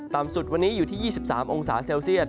สุดวันนี้อยู่ที่๒๓องศาเซลเซียต